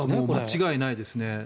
間違いないですね。